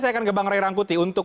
saya akan ke bang ray rangkuti untuk